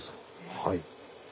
はい。